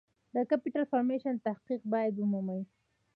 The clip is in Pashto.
د Capital Formation تحقق باید ومومي.